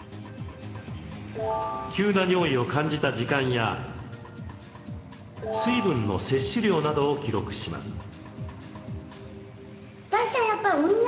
急な尿意を感じた時間や水分の摂取量などを記録します。